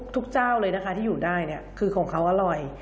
ทุกเจ้าเลยนะคะที่อยู่ได้คือของเขาอร่อย